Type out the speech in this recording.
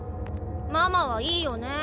ママはいいよね。